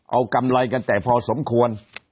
เอากำไรกันแต่พอสมควร